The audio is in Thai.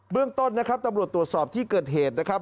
เรื่องต้นนะครับตำรวจตรวจสอบที่เกิดเหตุนะครับ